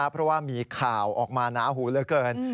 เพราะว่ามีข่าวออกมาหนาหูเหลือเกิน